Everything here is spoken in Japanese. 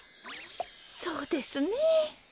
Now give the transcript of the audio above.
そうですね。